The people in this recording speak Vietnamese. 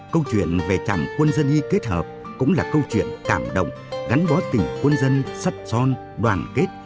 câu chuyện về chẳng quân dân y kết hợp cũng là câu chuyện cảm động gắn bó tỉnh quân dân sắt son đoàn kết